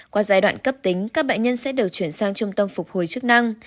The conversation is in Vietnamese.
qua giai đoạn cấp tính các bệnh nhân sẽ được chuyển sang trung tâm phục hồi chức năng